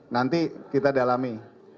nanti kita dalami